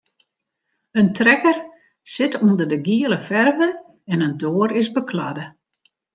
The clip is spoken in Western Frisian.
In trekker sit ûnder de giele ferve en in doar is bekladde.